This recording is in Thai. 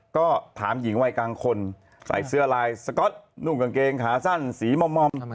ก็ถามหญิงวัยกลางคนใส่เสื้อลายสก๊อตนุ่งกางเกงขาสั้นสีมอม